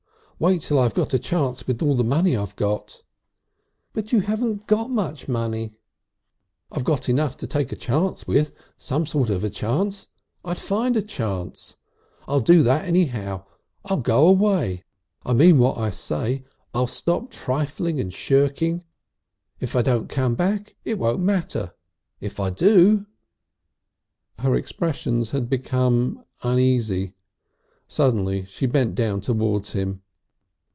Wait till I've got a chance with the money I've got." "But you haven't got much money!" "I've got enough to take a chance with, some sort of a chance. I'd find a chance. I'll do that anyhow. I'll go away. I mean what I say I'll stop trifling and shirking. If I don't come back it won't matter. If I do " Her expression had become uneasy. Suddenly she bent down towards him.